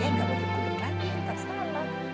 ya gak boleh kuduk lagi